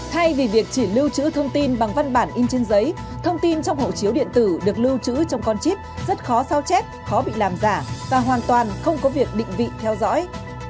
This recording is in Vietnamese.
thay vì việc chỉ lưu trữ thông tin bằng văn bản in trên giấy thông tin trong hộ chiếu điện tử được lưu trữ trong con chip rất khó sao chép khó bị làm giả và hoàn toàn không có việc định vị theo dõi